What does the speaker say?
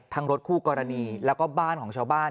รถคู่กรณีแล้วก็บ้านของชาวบ้าน